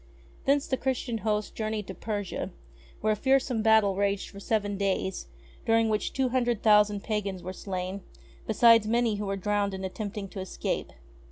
Thence the Christian host journeyed to Persia, where a fearsome battle raged for seven days, during which two hundred thousand pagans were slain, beside many who were drowned in attempting to escape.